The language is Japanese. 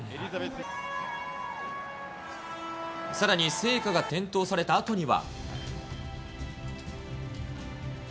さらに聖火が点灯されたあとには。